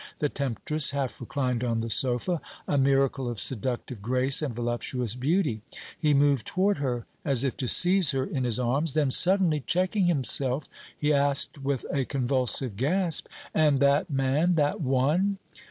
The temptress half reclined on the sofa, a miracle of seductive grace and voluptuous beauty. He moved toward her as if to seize her in his arms; then, suddenly checking himself, he asked, with a convulsive gasp: "And that man that one?"